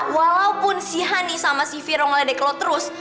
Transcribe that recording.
walaupun si hani sama si viro ngeledek lo terus